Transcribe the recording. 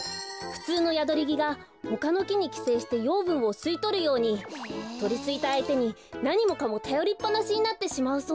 ふつうのヤドリギがほかのきにきせいしてようぶんをすいとるようにとりついたあいてになにもかもたよりっぱなしになってしまうそうです。